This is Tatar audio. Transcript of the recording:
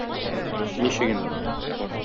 Ничек инде ул?